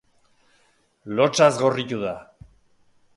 Lotsaz gorritu da.